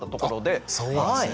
あそうなんですね。